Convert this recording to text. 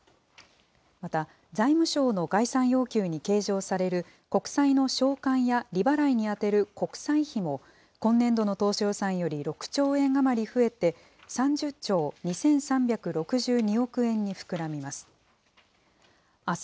また、財務省の概算要求に計上される、国債の償還や利払いに充てる国債費も今年度の当初予算より６兆円余り増えて、３０兆２３６２億円に膨らみます。